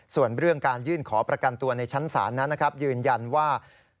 ส่วนเรื่องการยื่นขอประกันตัวในชั้นศาลนั้นนะครับยืนยันว่า